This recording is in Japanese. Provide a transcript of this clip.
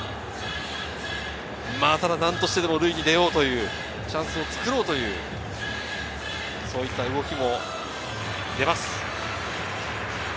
なんとしてでも塁に出ようという、チャンスを作ろうという、そういった動きも出ます。